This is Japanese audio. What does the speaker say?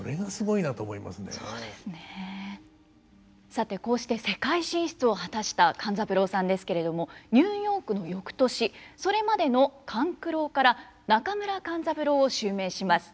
さてこうして世界進出を果たした勘三郎さんですけれどもニューヨークの翌年それまでの勘九郎から中村勘三郎を襲名します。